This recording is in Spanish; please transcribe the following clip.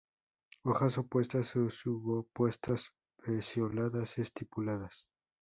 Hojas opuestas o subopuestas, pecioladas, estipuladas.